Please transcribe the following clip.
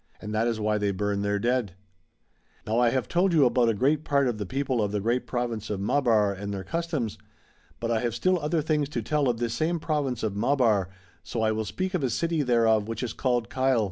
And that is why they burn their dead ! Now I have told you about a great part of the people of the great Province of Maabar and their customs; but I have still other things to tell of this same province of Maabar, so I will speak, of a city thereof which is called Cail.